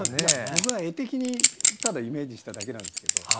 僕は絵的にただイメージしただけなんですけど。